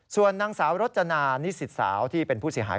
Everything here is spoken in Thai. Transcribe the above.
ส่วนนางสาวรจนานิสิตสาวที่เป็นผู้เสียหาย